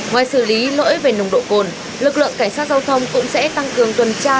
ngoài xử lý lỗi về nồng độ cồn lực lượng cảnh sát giao thông cũng sẽ tăng cường tuần tra